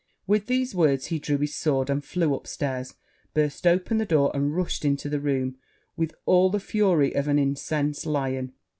With these words he drew his sword, and flew up stairs, burst open the door, and rushed into the room with all the fury of an incensed lion.